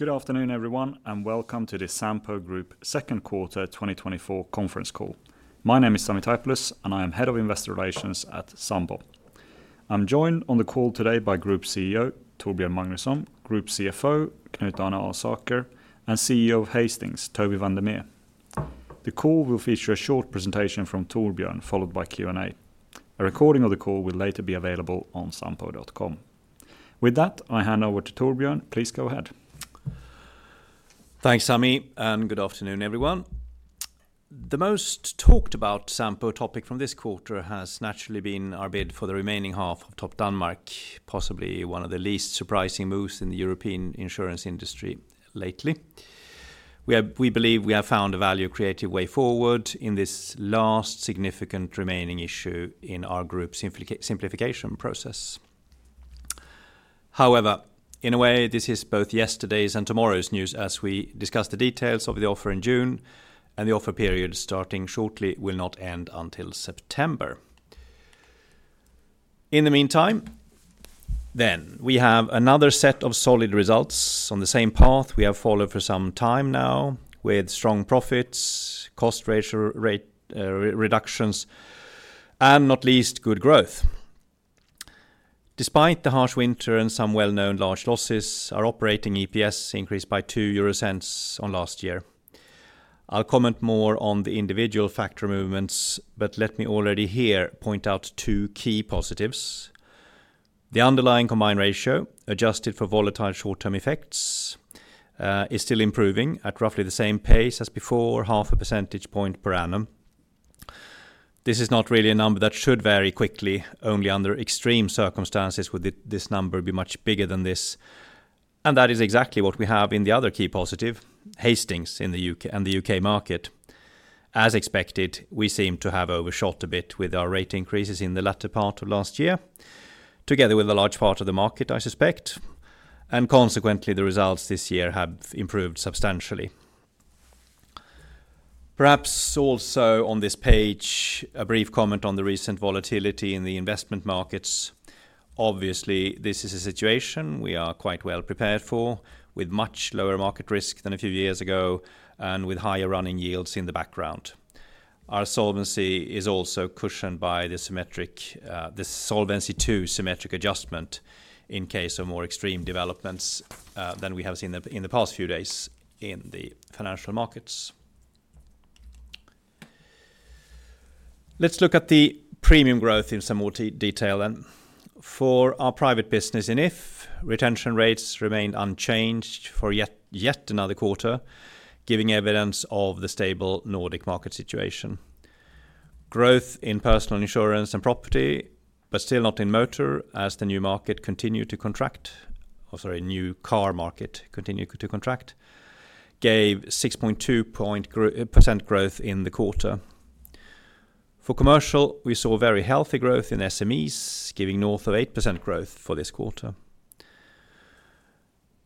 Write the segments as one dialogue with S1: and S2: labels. S1: Good afternoon, everyone, and welcome to the Sampo Group Q2 2024 Conference Call. My name is Sami Taipalus, and I am Head of Investor Relations at Sampo. I'm joined on the call today by Group CEO Torbjörn Magnusson, Group CFO Knut Arne Alsaker, and CEO of Hastings Toby van der Meer. The call will feature a short presentation from Torbjörn, followed by Q&A. A recording of the call will later be available on sampo.com. With that, I hand over to Torbjörn. Please go ahead.
S2: Thanks, Sami, and good afternoon, everyone. The most talked about Sampo topic from this quarter has naturally been our bid for the remaining half of Topdanmark, possibly one of the least surprising moves in the European insurance industry lately. We have- we believe we have found a value creative way forward in this last significant remaining issue in our group's simplifica- simplification process. However, in a way, this is both yesterday's and tomorrow's news as we discuss the details of the offer in June, and the offer period, starting shortly, will not end until September. In the meantime, then, we have another set of solid results on the same path we have followed for some time now, with strong profits, cost ratio rate, reductions, and not least, good growth. Despite the harsh winter and some well-known large losses, our operating EPS increased by 0.02 on last year. I'll comment more on the individual factor movements, but let me already here point out two key positives. The underlying combined ratio, adjusted for volatile short-term effects, is still improving at roughly the same pace as before, 0.5 percentage points per annum. This is not really a number that should vary quickly. Only under extreme circumstances would this number be much bigger than this, and that is exactly what we have in the other key positive, Hastings in the U.K. and the U.K. market. As expected, we seem to have overshot a bit with our rate increases in the latter part of last year, together with a large part of the market, I suspect, and consequently, the results this year have improved substantially. Perhaps also on this page, a brief comment on the recent volatility in the investment markets. Obviously, this is a situation we are quite well prepared for, with much lower market risk than a few years ago and with higher running yields in the background. Our solvency is also cushioned by the symmetric, the Solvency II symmetric adjustment in case of more extreme developments than we have seen in the, in the past few days in the financial markets. Let's look at the premium growth in some more detail then. For our private business, in If, retention rates remained unchanged for yet another quarter, giving evidence of the stable Nordic market situation. Growth in personal insurance and property, but still not in motor, as the new market continued to contract, or sorry, new car market continued to contract, gave 6.2% growth in the quarter. For commercial, we saw very healthy growth in SMEs, giving north of 8% growth for this quarter.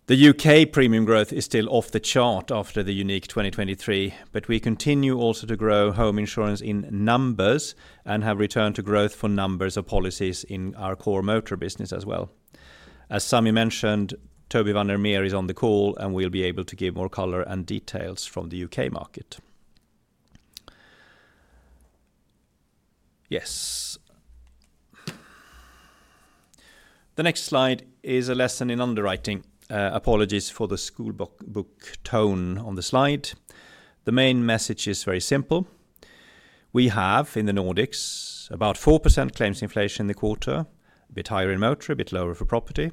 S2: The U.K. premium growth is still off the chart after the unique 2023, but we continue also to grow home insurance in numbers and have returned to growth for numbers of policies in our core motor business as well. As Sami mentioned, Toby van der Meer is on the call, and we'll be able to give more color and details from the U.K. market. Yes. The next slide is a lesson in underwriting. Apologies for the schoolbook, book tone on the slide. The main message is very simple. We have, in the Nordics, about 4% claims inflation in the quarter, a bit higher in motor, a bit lower for property.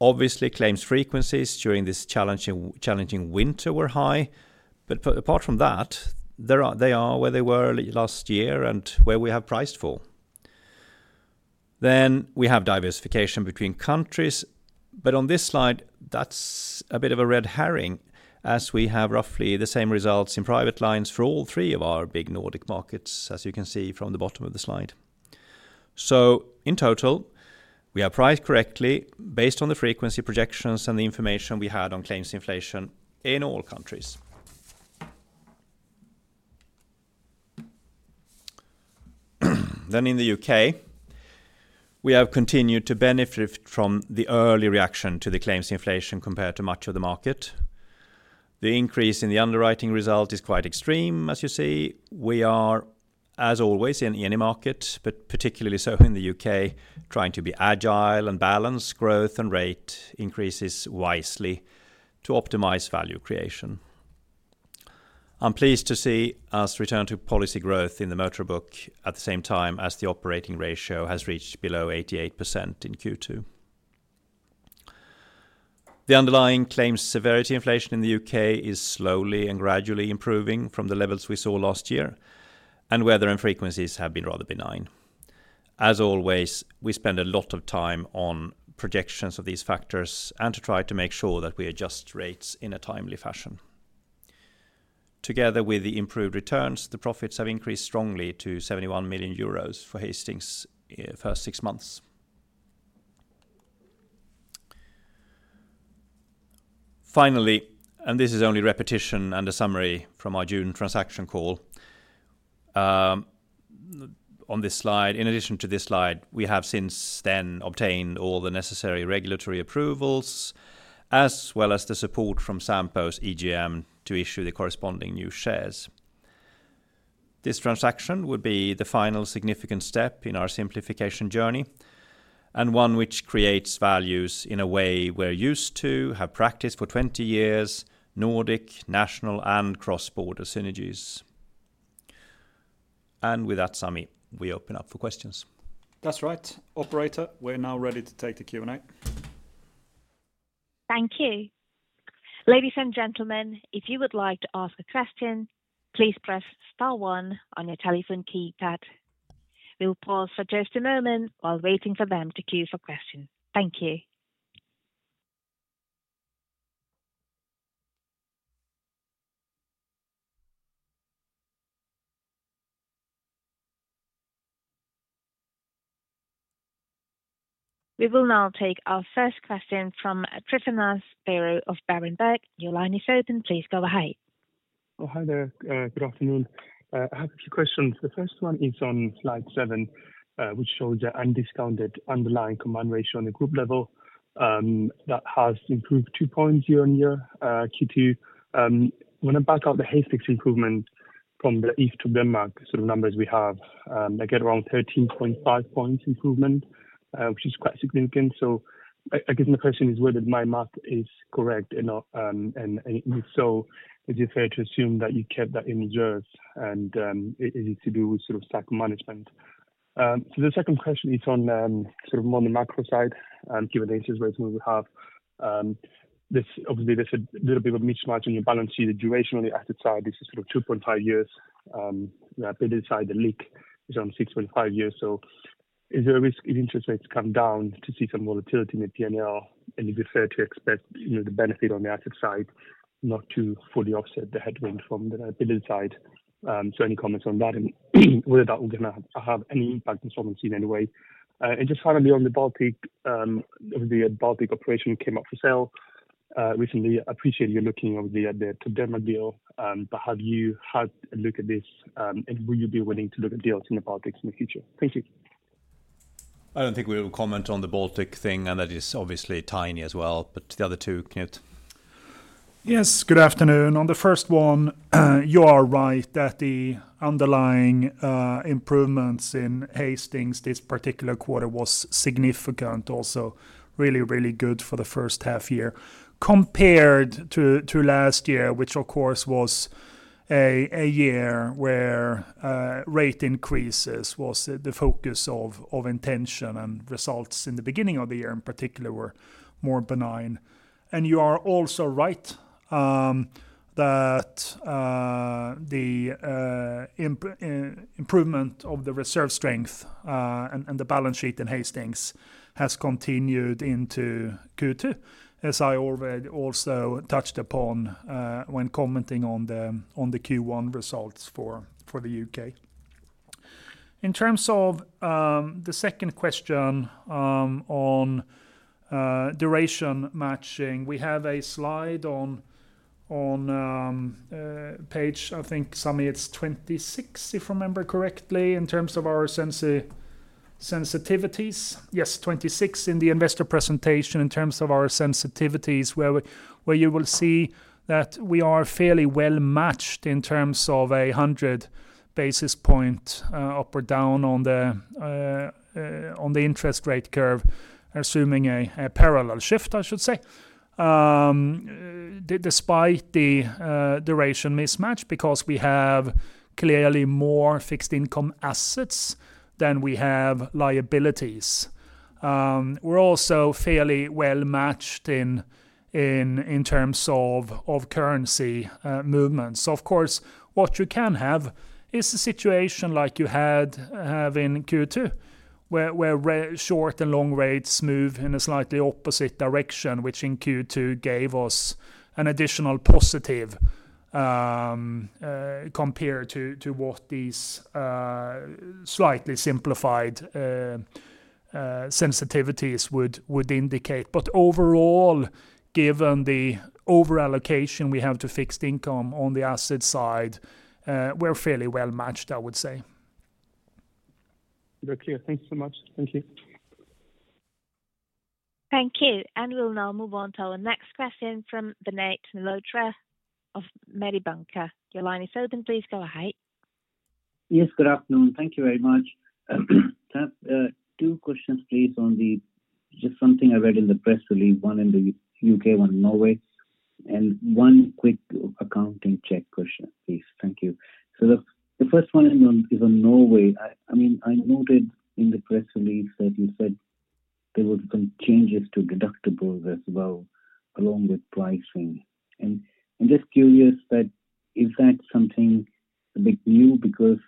S2: Obviously, claims frequencies during this challenging winter were high, but apart from that, they are where they were last year and where we have priced for. Then we have diversification between countries, but on this slide, that's a bit of a red herring, as we have roughly the same results in private lines for all three of our big Nordic markets, as you can see from the bottom of the slide. So in total, we are priced correctly based on the frequency projections and the information we had on claims inflation in all countries. Then in the U.K., we have continued to benefit from the early reaction to the claims inflation compared to much of the market. The increase in the underwriting result is quite extreme, as you see. We are, as always, in any market, but particularly so in the U.K., trying to be agile and balance growth and rate increases wisely to optimize value creation. I'm pleased to see us return to policy growth in the motor book at the same time as the operating ratio has reached below 88% in Q2. The underlying claims severity inflation in the U.K. is slowly and gradually improving from the levels we saw last year, and weather and frequencies have been rather benign. As always, we spend a lot of time on projections of these factors and to try to make sure that we adjust rates in a timely fashion. Together with the improved returns, the profits have increased strongly to 71 million euros for Hastings in first six months. Finally, and this is only repetition and a summary from our June transaction call. On this slide, in addition to this slide, we have since then obtained all the necessary regulatory approvals, as well as the support from Sampo's EGM to issue the corresponding new shares. This transaction would be the final significant step in our simplification journey, and one which creates values in a way we're used to, have practiced for 20 years, Nordic, national and cross-border synergies. With that, Sami, we open up for questions.
S1: That's right. Operator, we're now ready to take the Q&A.
S3: Thank you. Ladies and gentlemen, if you would like to ask a question, please press star one on your telephone keypad. We will pause for just a moment while waiting for them to queue for questions. Thank you. We will now take our first question from Tryfonas Spyrou of Berenberg. Your line is open. Please go ahead.
S4: Oh, hi there. Good afternoon. I have a few questions. The first one is on slide seven, which shows the undiscounted underlying combined ratio on the group level, that has improved two points year-on-year, Q2. When I back out the Hastings improvement from the ex-Denmark, sort of, numbers we have, I get around 13.5 points improvement, which is quite significant. So I guess my question is whether my math is correct or not, and if so, is it fair to assume that you kept that in reserve and is it to do with, sort of, stock management? So the second question is on, sort of, more on the macro side, and given the interest rates we have, this obviously there's a little bit of a mismatch in your balance sheet, the duration on the asset side, this is sort of 2.5 years, the liability side, the length is on 6.5 years. So is there a risk if interest rates come down to see some volatility in the P&L, and is it fair to expect, you know, the benefit on the asset side, not to fully offset the headwind from the liability side? So any comments on that and whether that will gonna have any impact on solvency in any way? And just finally on the Baltics, the Baltics operation came up for sale, recently. I appreciate you looking over the Denmark deal, but have you had a look at this, and will you be willing to look at deals in the Baltics in the future? Thank you.
S2: I don't think we will comment on the Baltics thing, and that is obviously tiny as well, but the other two, Knut?
S5: Yes, good afternoon. On the first one, you are right that the underlying improvements in Hastings this particular quarter was significant. Also really, really good for the first half year. Compared to last year, which of course was a year where rate increases was the focus of intention and results in the beginning of the year in particular were more benign. And you are also right that the improvement of the reserve strength and the balance sheet in Hastings has continued into Q2, as I already also touched upon when commenting on the Q1 results for the U.K. In terms of the second question on duration matching, we have a slide on page, I think, Sami, it's 26, if I remember correctly, in terms of our sensitivities. Yes, 26 in the investor presentation in terms of our sensitivities, where you will see that we are fairly well matched in terms of 100 basis points up or down on the interest rate curve, assuming a parallel shift, I should say. Despite the duration mismatch, because we have clearly more fixed income assets than we have liabilities. We're also fairly well matched in terms of currency movements. Of course, what you can have is a situation like you have in Q2, where short and long rates move in a slightly opposite direction, which in Q2 gave us an additional positive, compared to what these slightly simplified sensitivities would indicate. But overall, given the overallocation we have to fixed income on the asset side, we're fairly well matched, I would say.
S4: Very clear. Thank you so much. Thank you.
S3: Thank you. We'll now move on to our next question from Vinit Malhotra of Mediobanca. Your line is open, please go ahead.
S6: Yes, good afternoon. Thank you very much. Two questions, please, on the... Just something I read in the press release, one in the U.K., one in Norway, and one quick accounting check question, please. Thank you. So the first one is on Norway. I mean, I noted in the press release that you said there were some changes to deductibles as well, along with pricing. And I'm just curious that, is that something a bit new? Because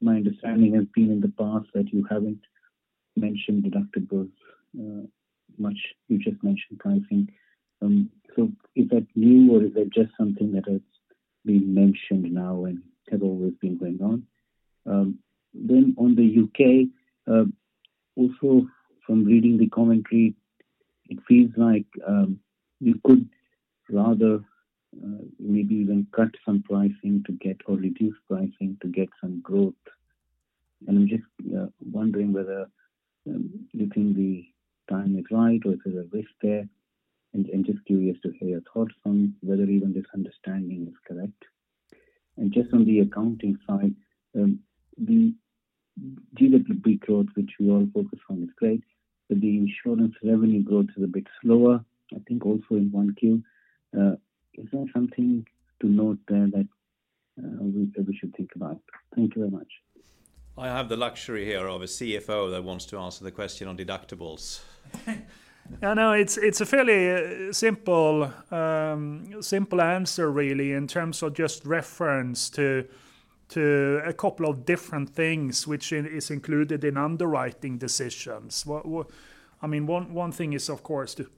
S6: my understanding has been in the past that you haven't mentioned deductibles much, you just mentioned pricing. So is that new or is that just something that has been mentioned now and have always been going on? Then on the U.K., also from reading the commentary-... It feels like you could rather maybe even cut some pricing to get or reduce pricing to get some growth. And I'm just wondering whether you think the time is right or is there a risk there? And just curious to hear your thoughts on whether even this understanding is correct. And just on the accounting side, the GWP growth, which we all focus on, is great, but the insurance revenue growth is a bit slower, I think also in 1Q. Is there something to note there that we should think about? Thank you very much.
S2: I have the luxury here of a CFO that wants to answer the question on deductibles.
S5: I know it's a fairly simple answer really, in terms of just reference to a couple of different things which is included in underwriting decisions. I mean, one thing is, of course, to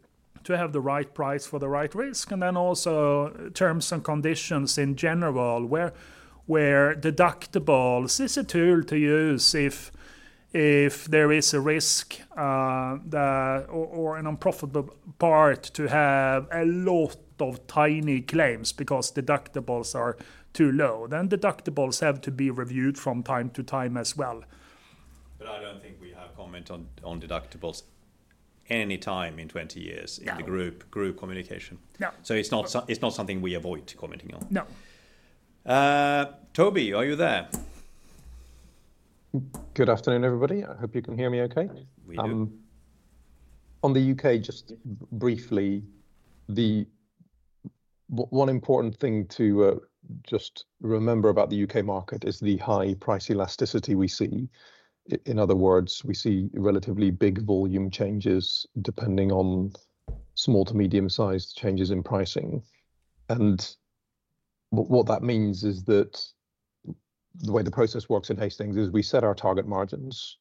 S5: have the right price for the right risk, and then also terms and conditions in general, where deductibles is a tool to use if there is a risk that or an unprofitable part to have a lot of tiny claims because deductibles are too low, then deductibles have to be reviewed from time to time as well.
S2: But I don't think we have comment on deductibles any time in 20 years-
S5: No.
S2: in the group, group communication.
S5: No.
S2: So it's not something we avoid commenting on.
S5: No.
S2: Toby, are you there?
S7: Good afternoon, everybody. I hope you can hear me okay.
S2: We do.
S7: On the U.K., just briefly, the one important thing to just remember about the U.K. market is the high price elasticity we see. In other words, we see relatively big volume changes depending on small to medium-sized changes in pricing. What that means is that the way the process works at Hastings is we set our target margins,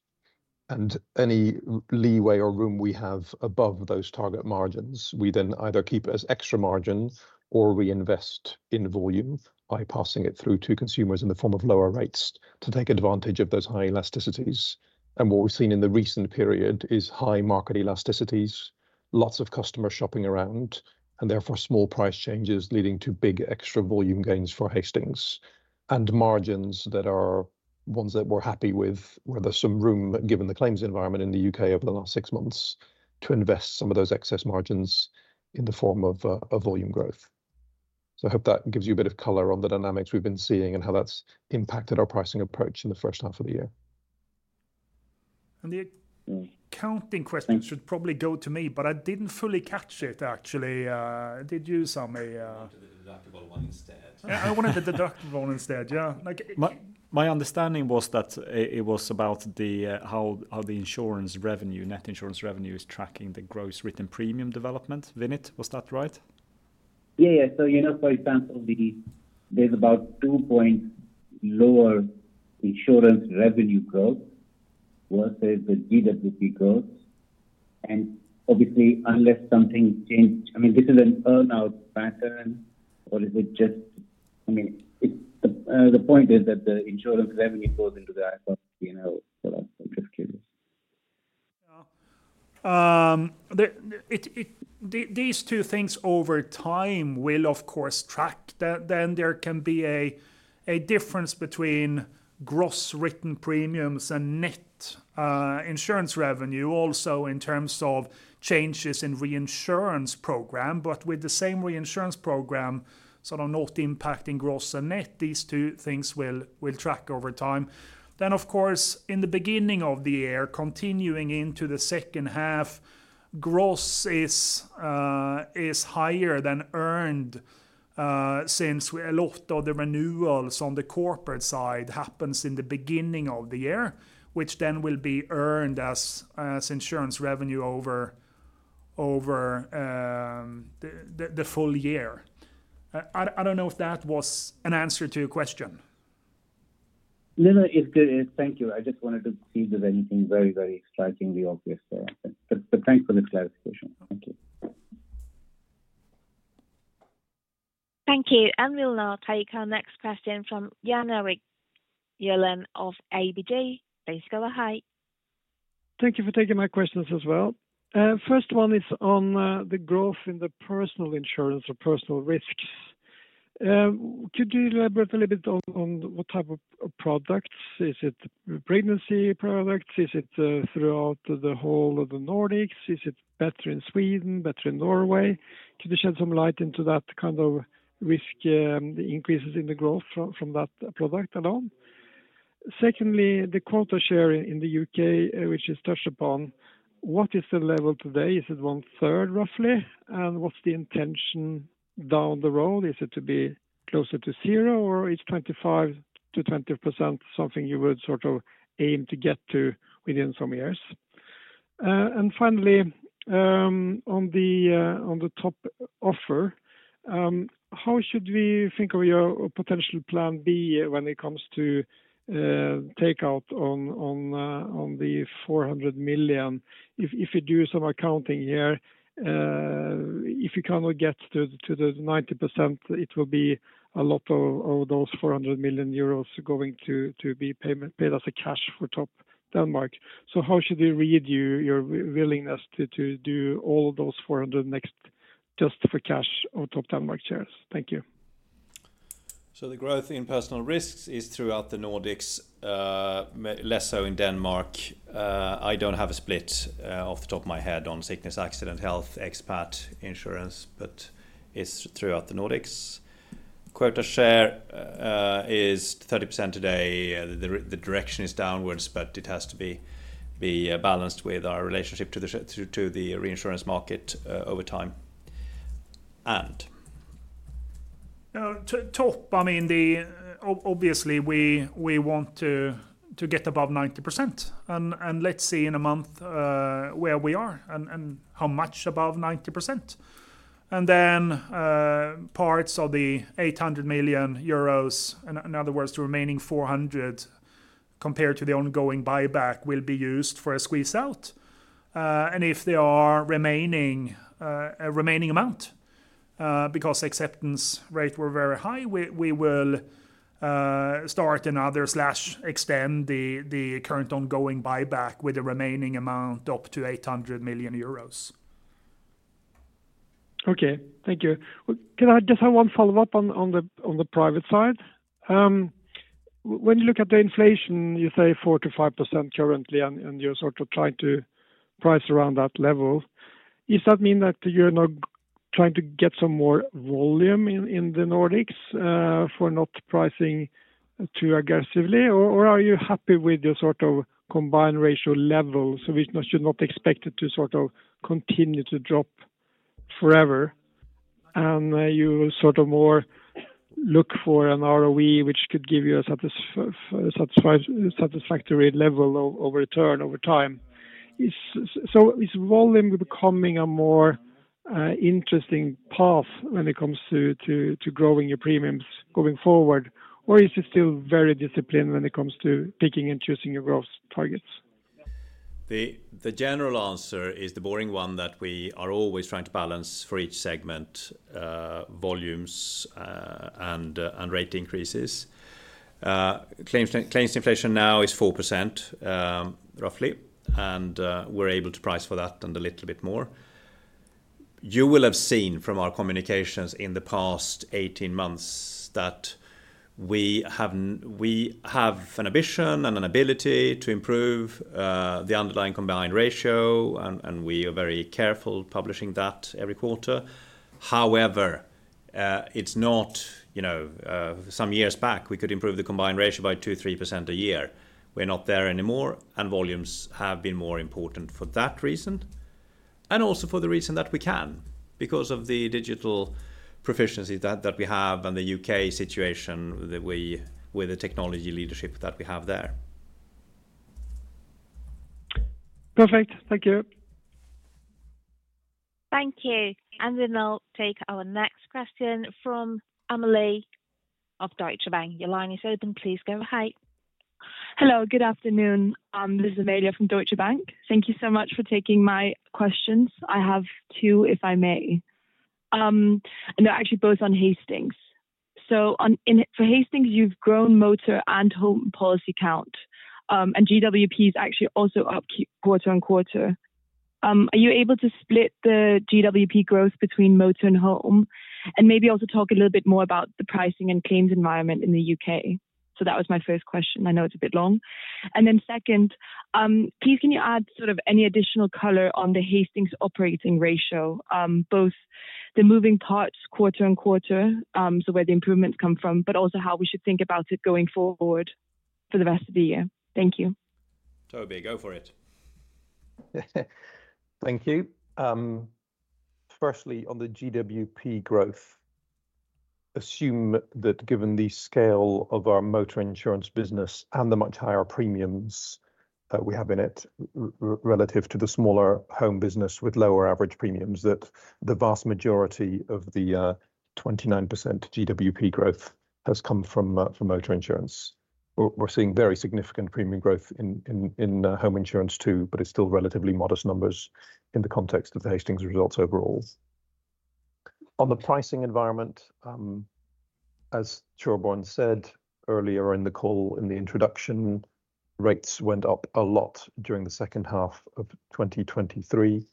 S7: and any leeway or room we have above those target margins, we then either keep as extra margin or we invest in volume by passing it through to consumers in the form of lower rates to take advantage of those high elasticities. What we've seen in the recent period is high market elasticities, lots of customer shopping around, and therefore, small price changes leading to big extra volume gains for Hastings. Margins that are ones that we're happy with, where there's some room, given the claims environment in the U.K. over the last six months, to invest some of those excess margins in the form of a volume growth. I hope that gives you a bit of color on the dynamics we've been seeing and how that's impacted our pricing approach in the first half of the year.
S5: The accounting question should probably go to me, but I didn't fully catch it, actually. Did you, Sami?
S1: He went to the deductible one instead.
S5: Yeah, I wanted the deductible one instead, yeah. Like...
S1: My understanding was that it was about how the insurance revenue, net insurance revenue, is tracking the gross written premium development. Vinit, was that right?
S6: Yeah, yeah. So, you know, for example, the, there's about 2-point lower insurance revenue growth versus the GWP growth. And obviously, unless something change, I mean, this is an earn-out pattern, or is it just-- I mean, it's... the point is that the insurance revenue goes into the
S5: These two things over time will, of course, track. Then there can be a difference between gross written premiums and net insurance revenue, also in terms of changes in reinsurance program. But with the same reinsurance program, sort of not impacting gross and net, these two things will track over time. Then, of course, in the beginning of the year, continuing into the second half, gross is higher than earned, since a lot of the renewals on the corporate side happens in the beginning of the year, which then will be earned as insurance revenue over the full year. I don't know if that was an answer to your question.
S6: No, no, it's good. Thank you. I just wanted to see if there's anything very, very strikingly obvious there. But, but thanks for the clarification. Thank you.
S3: Thank you. We'll now take our next question from Jan Erik Gjerland of ABG. Please go ahead.
S8: Thank you for taking my questions as well. First one is on the growth in the personal insurance or personal risks. Could you elaborate a little bit on what type of products? Is it pregnancy products? Is it throughout the whole of the Nordics? Is it better in Sweden, better in Norway? Could you shed some light into that kind of risk, the increases in the growth from that product alone? Secondly, the quota share in the U.K., which is touched upon, what is the level today? Is it 1/3, roughly? And what's the intention down the road? Is it to be closer to zero, or is 25%-20% something you would sort of aim to get to within some years? Finally, on the Topdanmark offer, how should we think of your potential plan B when it comes to take out on the 400 million? If you do some accounting here, if you cannot get to the 90%, it will be a lot of those 400 million euros going to be paid as cash for Topdanmark. So how should we read your willingness to do all those 400 million just for cash on Topdanmark shares? Thank you.
S2: So the growth in personal risks is throughout the Nordics, less so in Denmark. I don't have a split off the top of my head on sickness, accident, health, expat insurance, but it's throughout the Nordics. Quota share is 30% today. The direction is downwards, but it has to be balanced with our relationship to the reinsurance market over time. And?
S5: Now, to Top, I mean, obviously, we want to get above 90%, and let's see in a month where we are and how much above 90%. And then, parts of the 800 million euros, in other words, the remaining 400 million, compared to the ongoing buyback, will be used for a squeeze out. And if there are remaining, a remaining amount, because acceptance rate were very high, we will start another or extend the current ongoing buyback with the remaining amount up to 800 million euros.
S8: Okay, thank you. Well, can I just have one follow-up on the private side? When you look at the inflation, you say 4%-5% currently, and you're sort of trying to price around that level. Is that mean that you're now trying to get some more volume in the Nordics for not pricing too aggressively? Or are you happy with the sort of combined ratio level, so we should not expect it to sort of continue to drop forever, and you sort of more look for an ROE which could give you a satisfactory level of return over time? Is... So is volume becoming a more interesting path when it comes to growing your premiums going forward, or is it still very disciplined when it comes to picking and choosing your growth targets?
S2: The general answer is the boring one, that we are always trying to balance, for each segment, volumes and rate increases. Claims inflation now is 4%, roughly, and we're able to price for that and a little bit more. You will have seen from our communications in the past 18 months that we have an ambition and an ability to improve the underlying combined ratio, and we are very careful publishing that every quarter. However, it's not, you know, some years back, we could improve the combined ratio by 2%-3% a year. We're not there anymore, and volumes have been more important for that reason, and also for the reason that we can, because of the digital proficiency that we have and the U.K. situation, that we, with the technology leadership that we have there.
S8: Perfect. Thank you.
S3: Thank you. We'll now take our next question from Amelie of Deutsche Bank. Your line is open. Please go ahead.
S9: Hello, good afternoon. This is Amelie from Deutsche Bank. Thank you so much for taking my questions. I have two, if I may, and they're actually both on Hastings. So on, in, for Hastings, you've grown motor and home policy count, and GWP is actually also up quarter on quarter. Are you able to split the GWP growth between motor and home? And maybe also talk a little bit more about the pricing and claims environment in the U.K. So that was my first question. I know it's a bit long. And then second, please, can you add sort of any additional color on the Hastings operating ratio, both the moving parts quarter on quarter, so where the improvements come from, but also how we should think about it going forward for the rest of the year? Thank you.
S2: Toby, go for it.
S7: Thank you. Firstly, on the GWP growth, assume that given the scale of our motor insurance business and the much higher premiums that we have in it, relative to the smaller home business with lower average premiums, that the vast majority of the 29% GWP growth has come from motor insurance. We're seeing very significant premium growth in home insurance, too, but it's still relatively modest numbers in the context of the Hastings results overall. On the pricing environment, as Torbjörn said earlier in the call, in the introduction, rates went up a lot during the second half of 2023,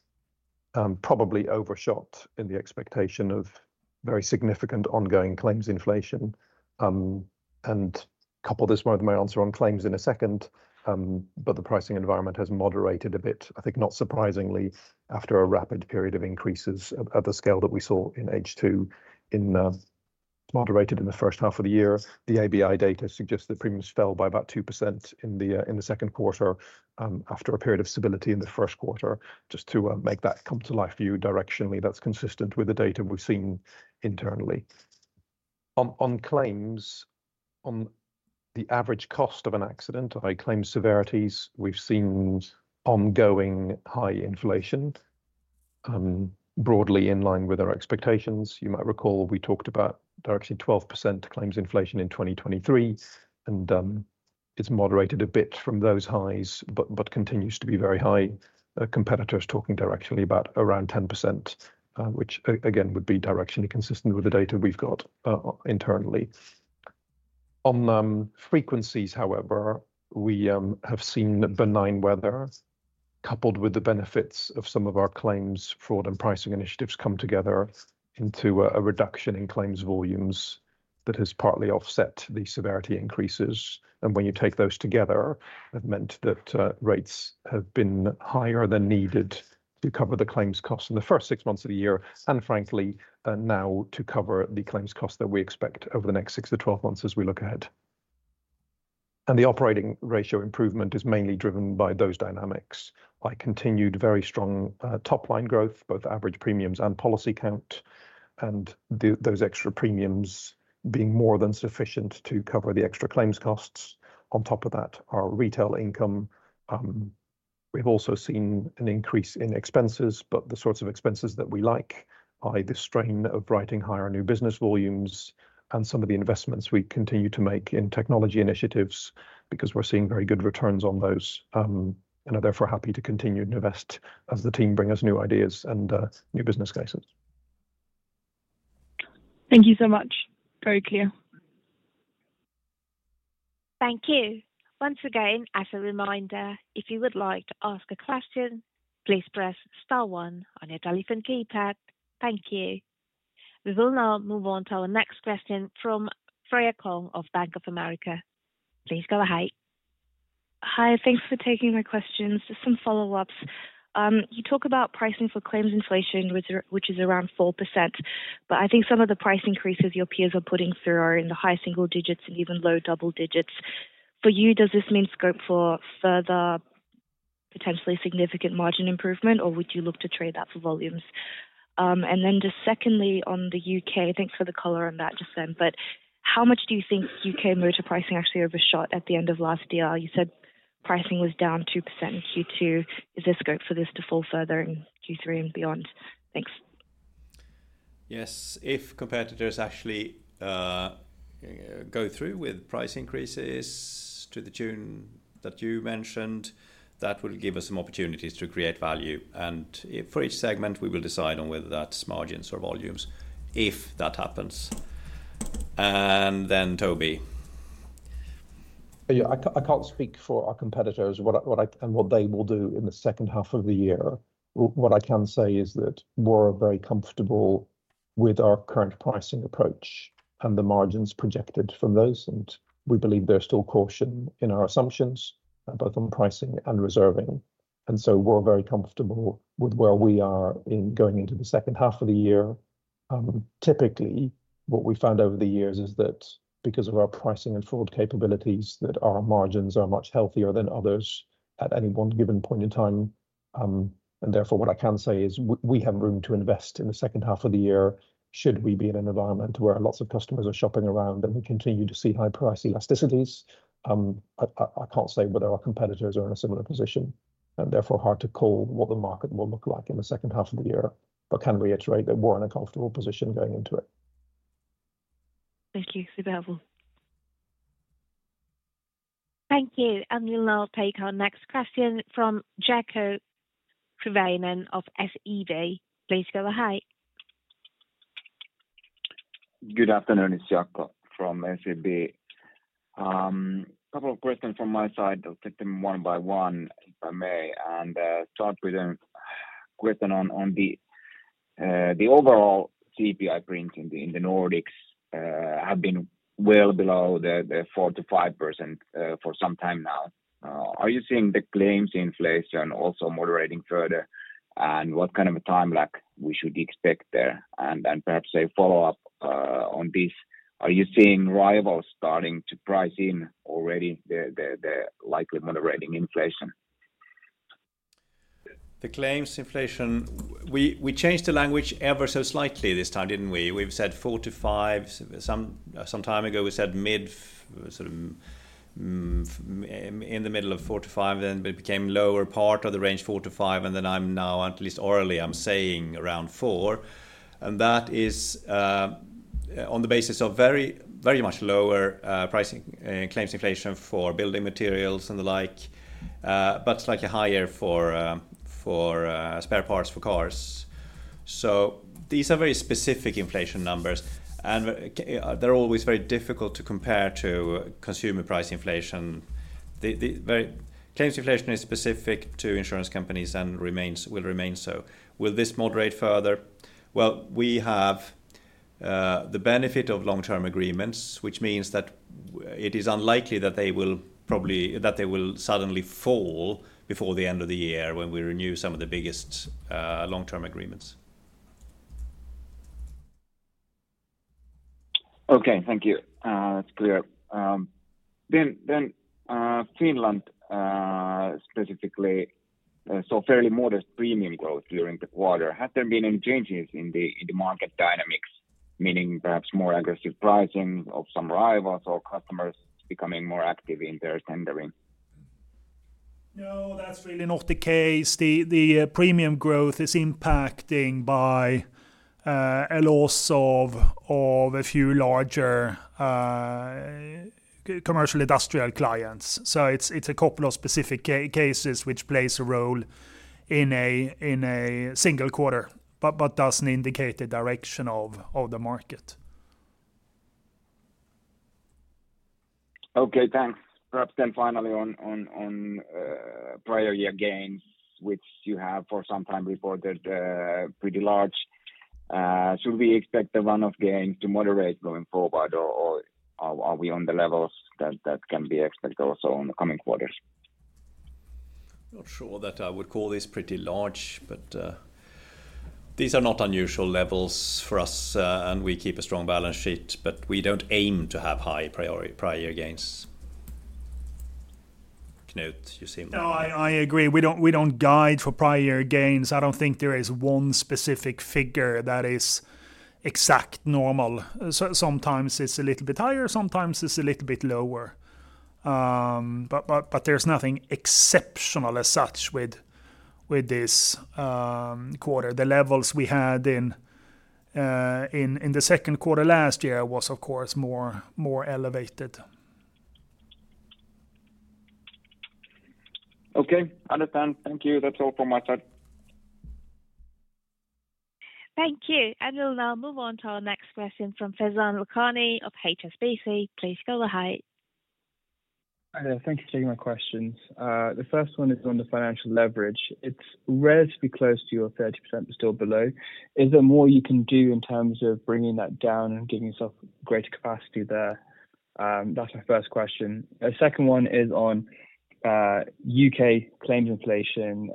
S7: probably overshot in the expectation of very significant ongoing claims inflation, and couple this one with my answer on claims in a second, but the pricing environment has moderated a bit, I think not surprisingly, after a rapid period of increases of the scale that we saw in H2, moderated in the first half of the year. The ABI data suggests that premiums fell by about 2% in the second quarter, after a period of stability in the first quarter. Just to make that come to life for you directionally, that's consistent with the data we've seen internally. On claims, on the average cost of an accident, i.e., claims severities, we've seen ongoing high inflation, broadly in line with our expectations. You might recall we talked about directly 12% claims inflation in 2023, and it's moderated a bit from those highs, but continues to be very high. Competitors talking directionally about around 10%, which again would be directionally consistent with the data we've got internally. On frequencies however, we have seen benign weather, coupled with the benefits of some of our claims, fraud, and pricing initiatives come together into a reduction in claims volumes that has partly offset the severity increases. When you take those together, they've meant that rates have been higher than needed to cover the claims costs in the first six months of the year, and frankly, now to cover the claims costs that we expect over the next six to 12 months as we look ahead. The operating ratio improvement is mainly driven by those dynamics, by continued very strong top line growth, both average premiums and policy count, and those extra premiums being more than sufficient to cover the extra claims costs. On top of that, our retail income, we've also seen an increase in expenses, but the sorts of expenses that we like, by the strain of writing higher new business volumes and some of the investments we continue to make in technology initiatives, because we're seeing very good returns on those, and are therefore happy to continue to invest as the team bring us new ideas and, new business cases.
S9: Thank you so much. Very clear.
S3: Thank you. Once again, as a reminder, if you would like to ask a question, please press star one on your telephone keypad. Thank you. We will now move on to our next question from Freya Kong of Bank of America. Please go ahead.
S10: Hi, thanks for taking my questions. Just some follow-ups. You talk about pricing for claims inflation, which is around 4%, but I think some of the price increases your peers are putting through are in the high single digits and even low double digits. For you, does this mean scope for further potentially significant margin improvement, or would you look to trade that for volumes? And then just secondly, on the U.K., thanks for the color on that just then, but how much do you think U.K. motor pricing actually overshot at the end of last year? You said pricing was down 2% in Q2. Is there scope for this to fall further in Q3 and beyond? Thanks.
S2: Yes. If competitors actually go through with price increases to the tune that you mentioned, that will give us some opportunities to create value, and for each segment, we will decide on whether that's margins or volumes, if that happens. And then Toby.
S7: Yeah, I can't speak for our competitors, what I and what they will do in the second half of the year. What I can say is that we're very comfortable with our current pricing approach and the margins projected from those, and we believe there's still caution in our assumptions, both on pricing and reserving. And so we're very comfortable with where we are in going into the second half of the year. Typically, what we found over the years is that because of our pricing and forward capabilities, that our margins are much healthier than others at any one given point in time. Therefore, what I can say is we have room to invest in the second half of the year, should we be in an environment where lots of customers are shopping around, and we continue to see high price elasticities. I can't say whether our competitors are in a similar position, and therefore, hard to call what the market will look like in the second half of the year, but can reiterate that we're in a comfortable position going into it.
S10: Thank you. Super helpful.
S3: Thank you. We'll now take our next question from Jaakko Tyrväinen of SEB. Please go ahead.
S11: Good afternoon, it's Jaakko from SEB. Couple of questions from my side. I'll take them one by one, if I may, and start with a question on the overall CPI printing in the Nordics, have been well below the 4%-5% for some time now. Are you seeing the claims inflation also moderating further, and what kind of a time lag we should expect there? And then perhaps a follow-up on this, are you seeing rivals starting to price in already the likely moderating inflation?
S2: The claims inflation, we changed the language ever so slightly this time, didn't we? We've said 4%-5%. Some time ago, we said mid, sort of, in the middle of 4%-5%, then it became lower part of the range, 4%-5%, and then I'm now, at least orally, I'm saying around 4%. And that is on the basis of very, very much lower pricing claims inflation for building materials and the like, but slightly higher for spare parts for cars. So these are very specific inflation numbers, and they're always very difficult to compare to consumer price inflation. The claims inflation is specific to insurance companies and remains, will remain so. Will this moderate further? Well, we have the benefit of long-term agreements, which means that it is unlikely that they will suddenly fall before the end of the year when we renew some of the biggest long-term agreements.
S11: Okay. Thank you. That's clear. Then, Finland, specifically, saw fairly modest premium growth during the quarter. Has there been any changes in the market dynamics, meaning perhaps more aggressive pricing of some rivals or customers becoming more active in their tendering?
S5: No, that's really not the case. The premium growth is impacting by a loss of a few larger commercial industrial clients. So it's a couple of specific cases which plays a role in a single quarter, but doesn't indicate the direction of the market.
S11: Okay, thanks. Perhaps then finally on prior year gains, which you have for some time reported pretty large. Should we expect the run of gains to moderate going forward, or are we on the levels that can be expected also in the coming quarters?
S2: Not sure that I would call this pretty large, but these are not unusual levels for us, and we keep a strong balance sheet, but we don't aim to have high prior year gains. Knut, you seem to-
S5: No, I agree. We don't guide for prior year gains. I don't think there is one specific figure that is exact normal. So sometimes it's a little bit higher, sometimes it's a little bit lower. But there's nothing exceptional as such with this quarter. The levels we had in the second quarter last year was, of course, more elevated.
S11: Okay, understand. Thank you. That's all from my side.
S3: Thank you. We'll now move on to our next question from Faizan Lakhani of HSBC. Please go ahead.
S12: Thank you for taking my questions. The first one is on the financial leverage. It's relatively close to your 30%, but still below. Is there more you can do in terms of bringing that down and giving yourself greater capacity there? That's my first question. Second one is on, U.K. claims inflation.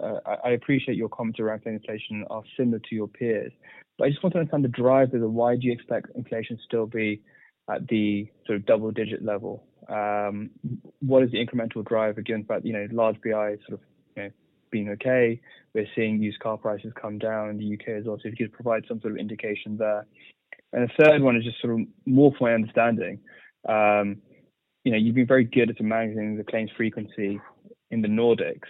S12: I appreciate your comments around claims inflation are similar to your peers, but I just want to understand the driver. Why do you expect inflation to still be at the sort of double-digit level? What is the incremental drive against, but, you know, large BI sort of, you know, being okay? We're seeing used car prices come down. The U.K. has also... If you could provide some sort of indication there. And the third one is just sort of more for my understanding. You know, you've been very good at managing the claims frequency in the Nordics,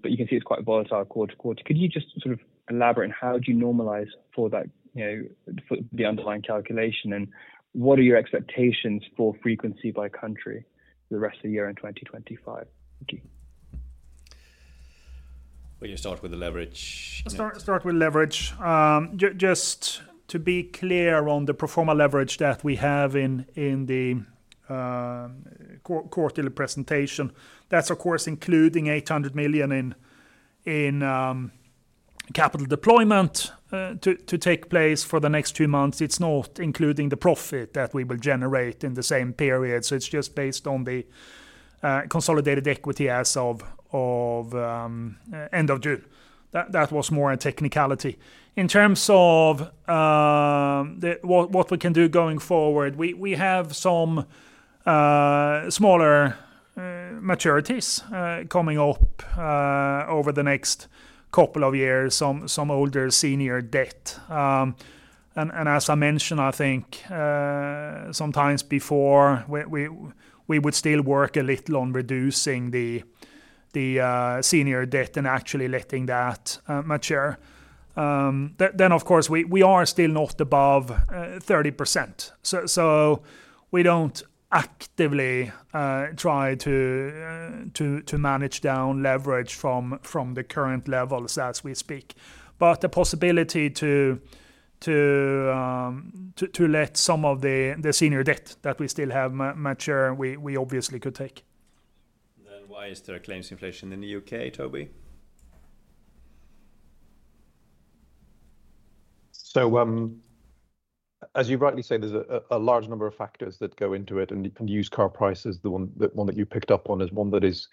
S12: but you can see it's quite volatile quarter-to-quarter. Could you just sort of elaborate on how do you normalize for that, you know, for the underlying calculation, and what are your expectations for frequency by country for the rest of the year in 2025? Thank you.
S2: Will you start with the leverage, Knut?
S5: I'll start with leverage. Just to be clear on the financial leverage that we have in the quarterly presentation, that's of course including 800 million in capital deployment to take place for the next two months. It's not including the profit that we will generate in the same period, so it's just based on the consolidated equity as of end of June. That was more a technicality. In terms of what we can do going forward, we have some smaller maturities coming up over the next couple of years, some older senior debt. And as I mentioned, I think sometimes before, we would still work a little on reducing the senior debt and actually letting that mature. Then, of course, we are still not above 30%, so we don't actively try to manage down leverage from the current levels as we speak. But the possibility to let some of the senior debt that we still have mature, we obviously could take.
S2: Why is there a claims inflation in the U.K., Toby?
S7: As you rightly say, there's a large number of factors that go into it, and you can use car price as the one that you picked up on; it is one that is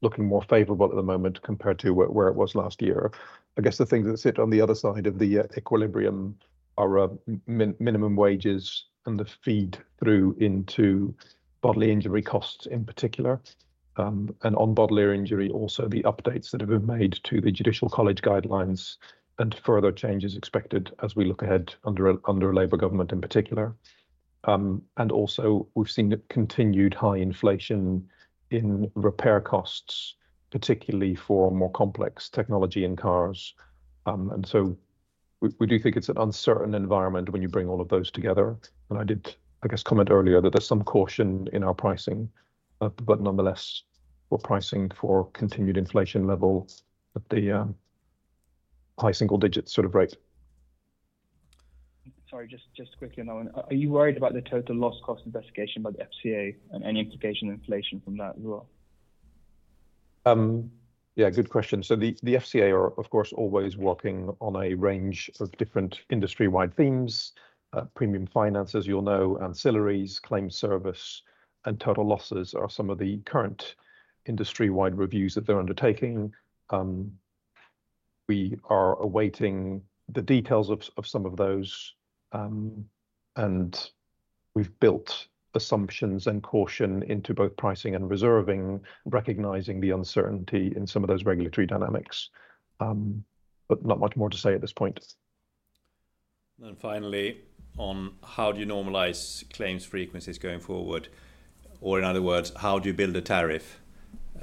S7: looking more favorable at the moment compared to where it was last year. I guess the things that sit on the other side of the equilibrium are minimum wages and the feed through into bodily injury costs in particular. And on bodily injury, also the updates that have been made to the Judicial College Guidelines and further changes expected as we look ahead under a Labour government in particular. And also, we've seen a continued high inflation in repair costs, particularly for more complex technology in cars. And so we do think it's an uncertain environment when you bring all of those together. And I did, I guess, comment earlier that there's some caution in our pricing. But nonetheless, we're pricing for continued inflation level at the high single digits sort of rate.
S12: Sorry, just, just quickly now. Are you worried about the total loss cost investigation by the FCA and any implications for inflation from that as well?
S7: Yeah, good question. So the, the FCA are, of course, always working on a range of different industry-wide themes. Premium finance, as you'll know, ancillaries, claim service, and total losses are some of the current industry-wide reviews that they're undertaking. We are awaiting the details of, of some of those, and we've built assumptions and caution into both pricing and reserving, recognizing the uncertainty in some of those regulatory dynamics. But not much more to say at this point. ...And then finally, on how do you normalize claims frequencies going forward? Or in other words, how do you build a tariff?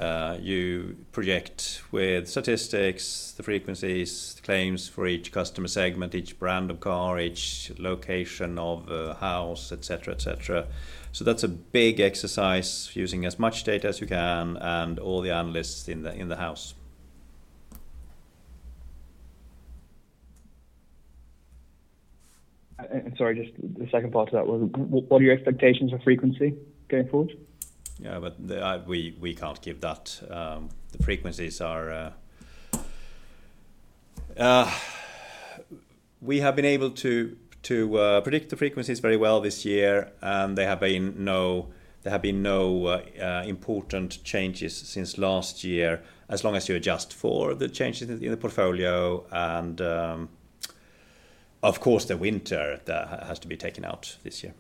S7: You project with statistics, the frequencies, claims for each customer segment, each brand of car, each location of house, et cetera, et cetera. So that's a big exercise, using as much data as you can and all the analysts in the house.
S12: Sorry, just the second part of that was, what are your expectations for frequency going forward?
S2: Yeah, but the, we can't give that. The frequencies are, we have been able to predict the frequencies very well this year, and there have been no important changes since last year, as long as you adjust for the changes in the portfolio and, of course, the winter has to be taken out this year.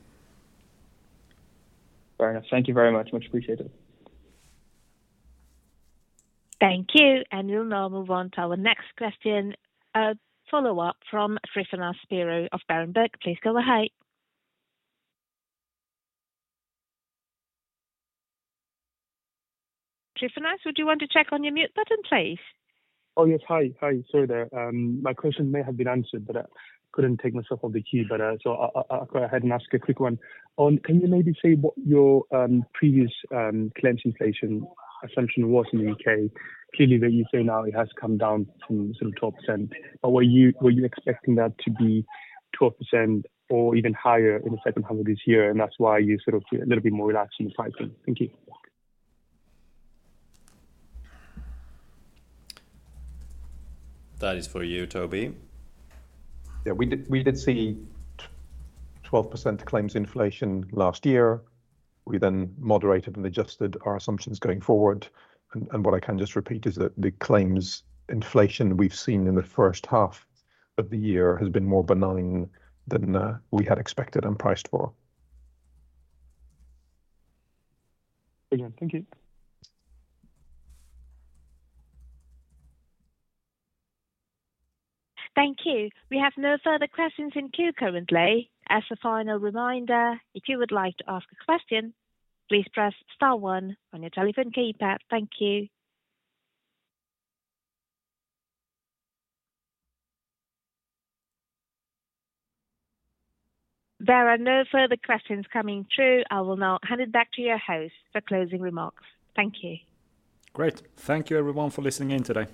S12: Fair enough. Thank you very much. Much appreciated.
S3: Thank you. And we'll now move on to our next question. A follow-up from Tryfonas Spyrou of Berenberg. Please go ahead. Tryfonas, would you want to check on your mute button, please?
S4: Oh, yes. Hi, hi. Sorry there. My question may have been answered, but I couldn't take myself off the queue. But, so I, I'll go ahead and ask a quick one. Can you maybe say what your previous claims inflation assumption was in the U.K.? Clearly, that you say now it has come down from sort of 12%. But were you expecting that to be 12% or even higher in the second half of this year, and that's why you're sort of a little bit more relaxed in the pricing? Thank you.
S2: That is for you, Toby.
S7: Yeah, we did, we did see 12% claims inflation last year. We then moderated and adjusted our assumptions going forward. And what I can just repeat is that the claims inflation we've seen in the first half of the year has been more benign than we had expected and priced for.
S4: Again, thank you.
S3: Thank you. We have no further questions in queue currently. As a final reminder, if you would like to ask a question, please press star one on your telephone keypad. Thank you. There are no further questions coming through. I will now hand it back to your host for closing remarks. Thank you.
S1: Great. Thank you everyone for listening in today.